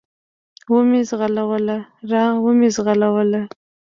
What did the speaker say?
و مې زغلوله، را ومې زغلوله.